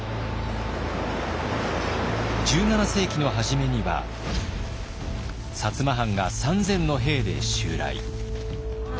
１７世紀の初めには摩藩が３，０００の兵で襲来。